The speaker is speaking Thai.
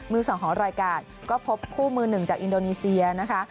มือสองของรายการก็พบคู่มือหนึ่งจากอินโดนีเซียนะคะ